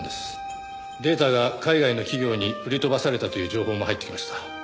データが海外の企業に売り飛ばされたという情報も入ってきました。